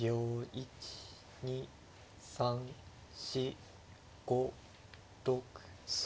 １２３４５６７。